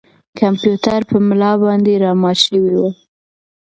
کمپیوټر په ملا باندې را مات شوی و.